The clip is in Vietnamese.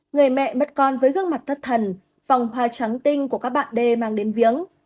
người mẹ mất con với gương mặt thất thần vòng hoa trắng tinh của các bạn d mang đến viếng